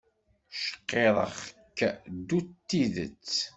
Cqirreɣ-k ddu d tidet!